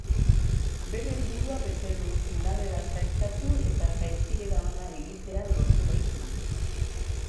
Bere helburua bete du, finalera sailkatu eta jaitsiera ona egitea lortu baitu.